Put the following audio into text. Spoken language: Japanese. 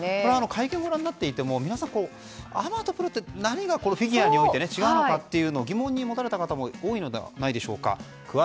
会見をご覧になっていてもアマとプロって何がフィギュアにおいて違うのかって疑問を持たれた方も多いんじゃないでしょうか。